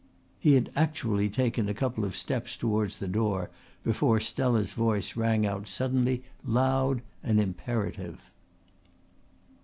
He had actually taken a couple of steps towards the door before Stella's voice rang out suddenly loud and imperative.